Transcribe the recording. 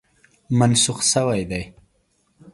منسوخ شوی دی.